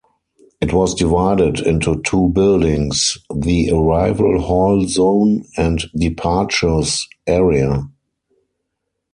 It was divided into two buildings: the arrival hall zone and departures area.